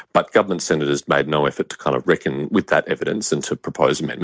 bahwa pihak oposisi ini tidak akan diperlukan